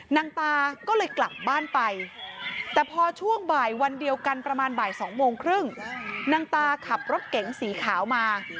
นางตาก็เลยกลับบ้านไปแต่พอช่วงบ่ายวันเดียวกันประมาณบ่าย๒โมงครึ่งนางตาขับรถเก๋งสีขาวมา